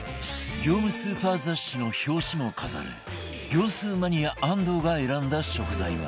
業務スーパー雑誌の表紙も飾る業スーマニア安藤が選んだ食材は